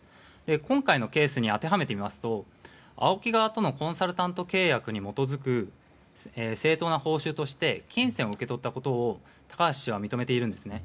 今回のケースに当てはめてみますとＡＯＫＩ側とのコンサルタント契約に基づく正当な報酬として金銭を受け取ったことを高橋氏は認めているんですね。